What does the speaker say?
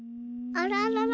あららら？